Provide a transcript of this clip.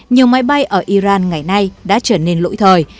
nhiều máy bay ở iran ngày nay đã trở nên lỗi thời